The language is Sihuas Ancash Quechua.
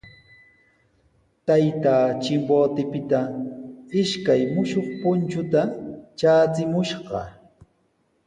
Taytaa Chimbotepita ishkay mushuq punchuta traachimushqa.